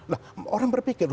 nah orang berpikir